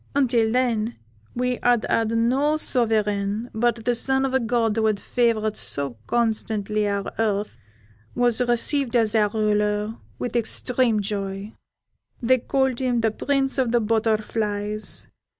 Until then we had had no sovereign, but the son of a god who favoured so constantly our earth was received as our ruler with extreme joy; they called him the Prince of the Butterflies.